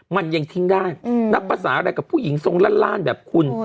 มันยังทิ้งได้นับภาษาอะไรกับผู้หญิงทรงล่านแบบคุณ